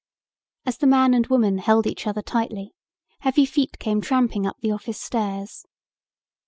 As the man and woman held each other tightly heavy feet came tramping up the office stairs.